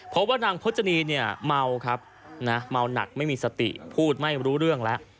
พบว่านางพจนีเนี่ยเมาครับนะเมาหนักไม่มีสติพูดไม่รู้เรื่องแล้ว